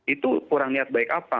itu kurang niat baik apa